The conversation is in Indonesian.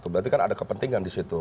berarti kan ada kepentingan di situ